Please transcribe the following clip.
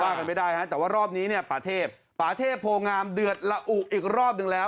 กันไม่ได้ฮะแต่ว่ารอบนี้เนี่ยป่าเทพป่าเทพโพงามเดือดละอุอีกรอบหนึ่งแล้ว